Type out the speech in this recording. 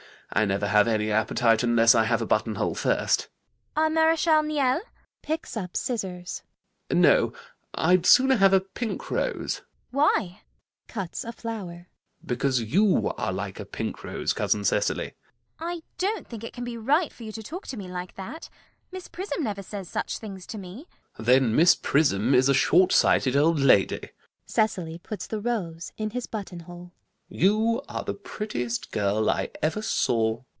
I never have any appetite unless I have a buttonhole first. CECILY. A Marechal Niel? [Picks up scissors.] ALGERNON. No, I'd sooner have a pink rose. CECILY. Why? [Cuts a flower.] ALGERNON. Because you are like a pink rose, Cousin Cecily. CECILY. I don't think it can be right for you to talk to me like that. Miss Prism never says such things to me. ALGERNON. Then Miss Prism is a short sighted old lady. [Cecily puts the rose in his buttonhole.] You are the prettiest girl I ever saw.